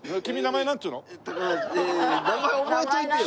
高橋名前覚えといてよ！